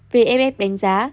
vff đánh giá